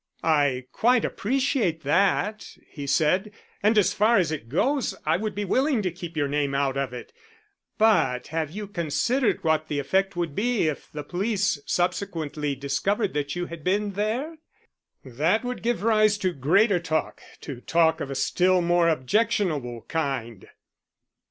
"I quite appreciate that," he said. "And as far as it goes I would be willing to keep your name out of it. But have you considered what the effect would be if the police subsequently discovered that you had been there? That would give rise to greater talk to talk of a still more objectionable kind."